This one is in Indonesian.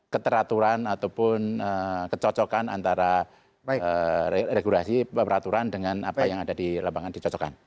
keteraturan ataupun kecocokan antara regulasi peraturan dengan apa yang ada di lapangan dicocokkan